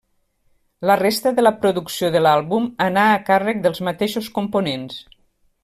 La resta de la producció de l'àlbum anà a càrrec dels mateixos components.